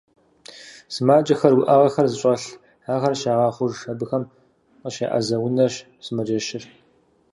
Сымаджэхэр, уӀэгъэхэр зыщӀэлъ, ахэр щагъэхъуж, абыхэм къыщеӀэзэ унэщ сымаджэщыр.